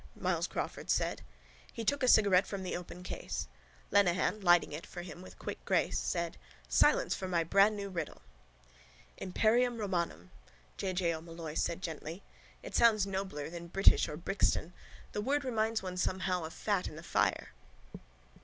Myles Crawford said. He took a cigarette from the open case. Lenehan, lighting it for him with quick grace, said: —Silence for my brandnew riddle! —Imperium romanum, J. J. O'Molloy said gently. It sounds nobler than British or Brixton. The word reminds one somehow of fat in the fire.